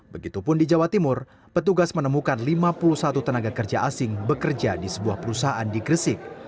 begitupun di jawa timur petugas menemukan lima puluh satu tenaga kerja asing bekerja di sebuah perusahaan di gresik